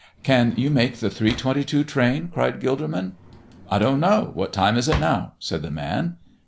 "Can you make the three twenty two train?" cried Gilderman. "I don't know. What time is it now?" said the man.